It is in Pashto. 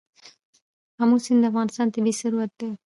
آمو سیند د افغانستان طبعي ثروت دی.